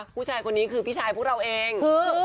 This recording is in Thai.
ผู้ชายคนนี้คือพี่ชายพวกเราเอง